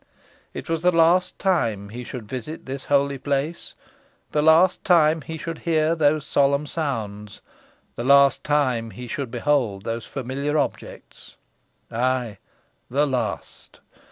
It was the last time he should visit this holy place the last time he should hear those solemn sounds the last time he should behold those familiar objects ay, the last!